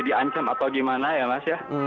di ancam atau gimana ya mas ya